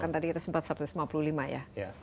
tadi kita sempat satu ratus lima puluh lima ya